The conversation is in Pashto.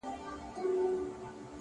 د احساساتو توازن عقل پیاوړی کوي,